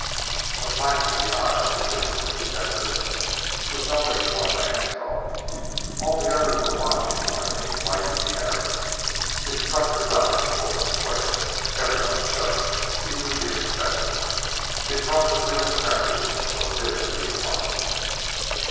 A flash of the eye between the two detectives, which only one man saw! All the others were watching the lightning flight of the arrow. It struck the dummy full and square. Everyone shuddered, even the Inspector; it brought the real tragedy so vividly to mind.